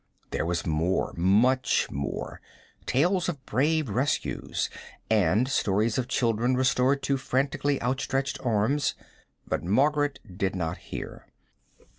There was more much more: tales of brave rescues, and stories of children restored to frantically outstretched arms; but Margaret did not hear.